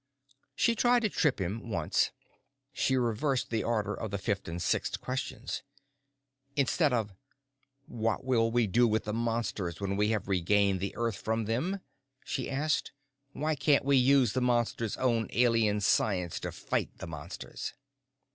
She tried to trip him once. She reversed the order of the fifth and sixth questions. Instead of "What will we do with the Monsters when we have regained the Earth from them?" she asked, "_Why can't we use the Monsters' own Alien Science to fight the Monsters?